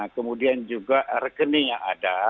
kemudian juga rekening yang ada